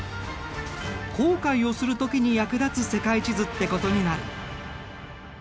航海をする時に役立つ世界地図ってことになる。